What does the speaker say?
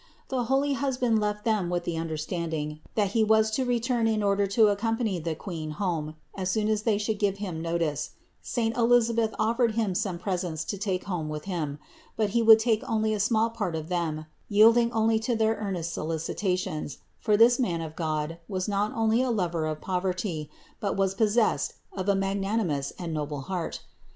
The holy hus band left them with the understanding that he was to return in order to accompany the Queen home as soon as they should give him notice; saint Elisabeth offered him some presents to take home with him ; but he would take only a small part of them, yielding only to their earnest solicitations, for this man of God was not only a lover of poverty, but was possessed of a magnanimous and noble heart.